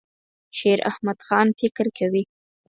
شیراحمدخان فکر کوي.